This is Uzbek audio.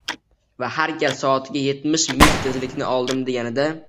va har gal soatiga yetmish mil tezlikni oldim deganida